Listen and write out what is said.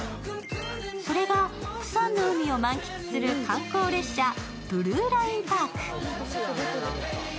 それがプサンの海を満喫する観光列車・ブルーラインパーク。